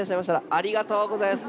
ありがとうございます。